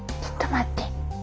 ちょっと待って。